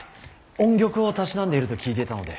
音曲をたしなんでいると聞いていたので。